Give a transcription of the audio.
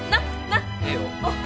なっ！